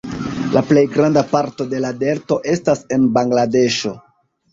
La plej granda parto de la delto estas en Bangladeŝo.